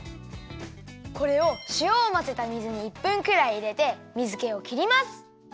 これをしおをまぜた水に１分くらいいれて水けをきります。